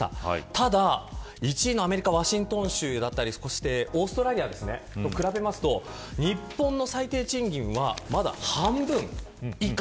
ただ１位のアメリカ・ワシントン州だったりオーストラリアと比べると日本の最低賃金はまだ半分以下。